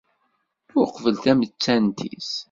Uqbel tamettant-is.